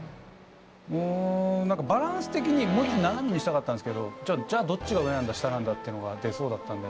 うん何かバランス的にもうちょっと斜めにしたかったんですけどじゃあどっちが上なんだ下なんだってのが出そうだったんで。